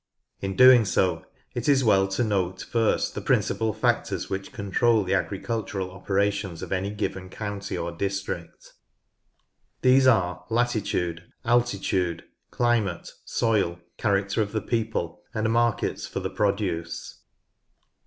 In doing so, it is well to note first the principal factors which control the agricultural operations of any given county or district. These are latitude, altitude, climate, soil, character of the people, and markets for the produce.